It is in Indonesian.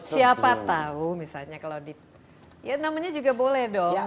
siapa tahu misalnya kalau di ya namanya juga boleh dong